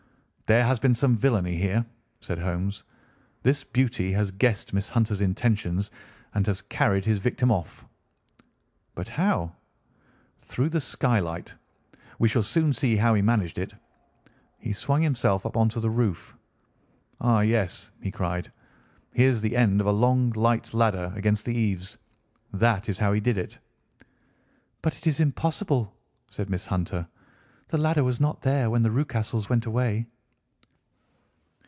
"There has been some villainy here," said Holmes; "this beauty has guessed Miss Hunter's intentions and has carried his victim off." "But how?" "Through the skylight. We shall soon see how he managed it." He swung himself up onto the roof. "Ah, yes," he cried, "here's the end of a long light ladder against the eaves. That is how he did it." "But it is impossible," said Miss Hunter; "the ladder was not there when the Rucastles went away."